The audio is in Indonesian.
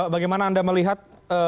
bagaimana anda melihat